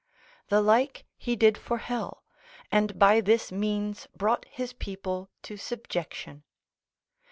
The like he did for hell, and by this means brought his people to subjection.